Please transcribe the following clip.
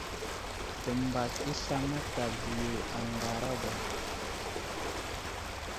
Təmbak i asla mataviyo a ŋaragwa.